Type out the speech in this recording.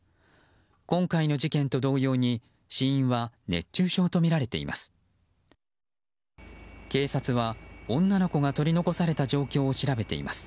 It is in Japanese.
今回の事件と同様に死因は熱中症とみられています。